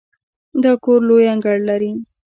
دا کور لوی انګړ لري.